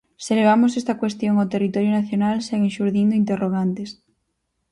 Se levamos esta cuestión ao territorio nacional seguen xurdindo interrogantes.